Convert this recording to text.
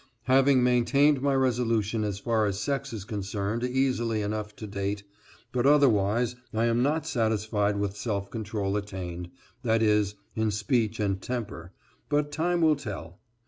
Have maintained my resolution as far as sex is concerned easily enough to date, but otherwise I am not satisfied with self control attained, that is, in speech and temper, but time will tell.